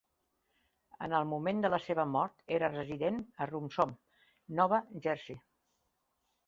En el moment de la seva mort, era resident a Rumson, Nova Jersey.